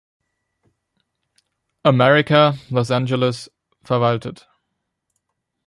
America, Los Angeles, verwaltet.